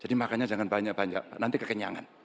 jadi makanya jangan banyak banyak pak nanti kekenyangan